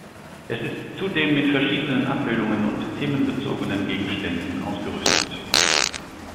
Es ist zudem mit verschiedenen Abbildungen und themenbezogenen Gegenständen ausgerüstet.